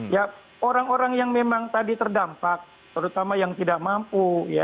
ya orang orang yang memang tadi terdampak terutama yang tidak mampu